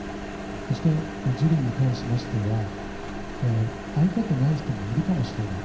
そして、ジュリーに関しましては会いたくない人もいるかもしれない。